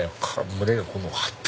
胸が張って。